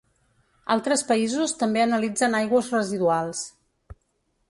Altres països també analitzen aigües residuals.